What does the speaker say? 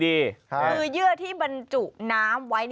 คือเยื่อที่บรรจุน้ำไว้